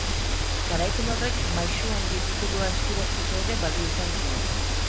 Garaipen horrek Maisu Handi titulua eskuratzeko ere balio izan zion.